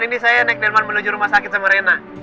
ini saya naik delman menuju rumah sakit sama reina